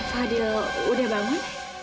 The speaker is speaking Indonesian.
fadil udah bangun